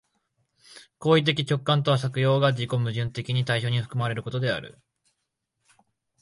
行為的直観とは作用が自己矛盾的に対象に含まれていることである。